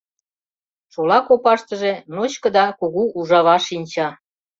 Шола копаштыже ночко да кугу ужава шинча.